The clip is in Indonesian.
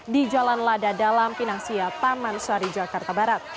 di jalan lada dalam pinangsia taman sari jakarta barat